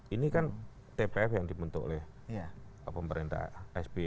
ini kan tpf yang dibentuk oleh pemerintah sby